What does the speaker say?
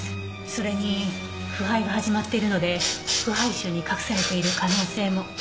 それに腐敗が始まっているので腐敗臭に隠されている可能性も。